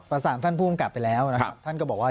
ท่านผู้กำกับไปแล้วนะครับท่านก็บอกว่า